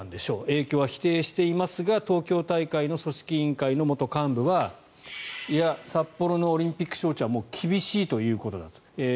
影響は否定していますが東京大会の組織委員会の元幹部はいや、札幌のオリンピック招致はもう厳しいということだと。